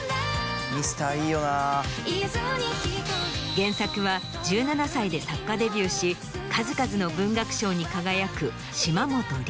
原作は１７歳で作家デビューし数々の文学賞に輝く。